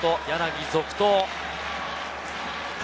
柳、続投。